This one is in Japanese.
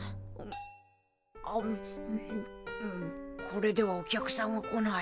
あむうんこれではお客さんは来ない。